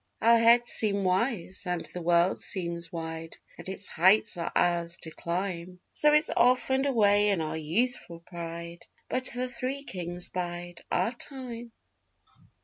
_ Our heads seem wise and the world seems wide, and its heights are ours to climb, _So it's off and away in our youthful pride but the Three Kings bide our time.